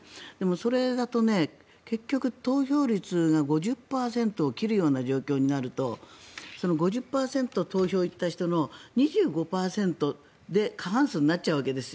それだと結局、投票率が５０％を切るような状況になると５０％投票行った人の２５％で過半数になっちゃうわけです。